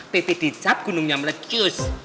teteh dicap gunungnya meledcus